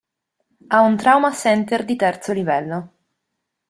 Ha un trauma center di terzo livello.